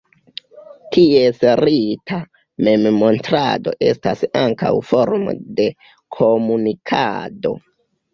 Ties rita memmontrado estas ankaŭ formo de komunikado.